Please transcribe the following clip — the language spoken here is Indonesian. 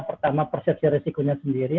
pertama persepsi resikonya sendiri